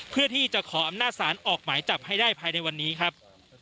เพื่อที่จะขออำนาจศาลออกหมายจับให้ได้ภายในวันนี้ครับ